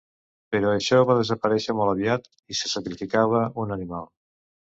Però això va desaparèixer molt aviat, i se sacrificava un animal.